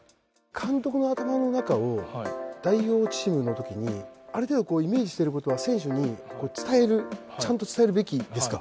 監督の頭の中を代表チームの時にある程度イメージしてる事は選手に伝えるちゃんと伝えるべきですか？